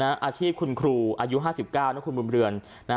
อาชีพคุณครูอายุ๕๙นะคุณบุญเรือน